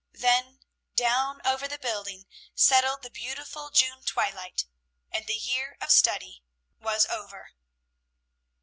Then down over the building settled the beautiful June twilight, and the year of study was over.